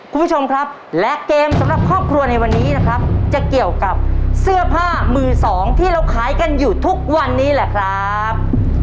คุณผู้ชมครับและเกมสำหรับครอบครัวในวันนี้นะครับจะเกี่ยวกับเสื้อผ้ามือสองที่เราขายกันอยู่ทุกวันนี้แหละครับ